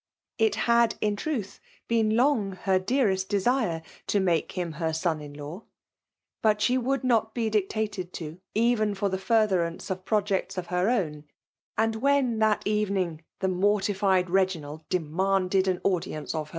If. had, in truth, been long her dearest dcsive tp make him her son in law; but she woul4.^Ci\t be dictated to, even for the furtherance odfjf^r jects of her own ;— and when, that evening, the mortified Reginald demanded an audi^ce /qf FEMALE DOMIKATIOK.